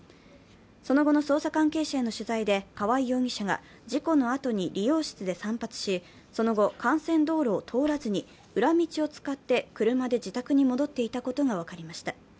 その後の捜査関係者への取材で川合容疑者が事故のあとに理容室で散髪し、その後、幹線道路を通らずに裏道を使って車で自宅に戻っていたことが分かりました。